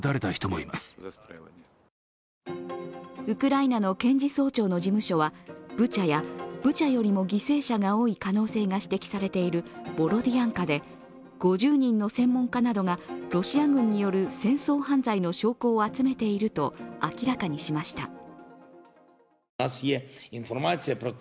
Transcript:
ウクライナの検事総長の事務所は、ブチャやブチャよりも犠牲者が多い可能性が指摘されているボロディアンカで５０人の専門家などがロシア軍による戦争犯罪の証拠を集めていると明らかにしました。